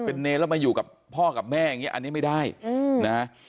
เป็นเนรแล้วมาอยู่กับพ่อกับแม่อย่างนี้อันนี้ไม่ได้นะ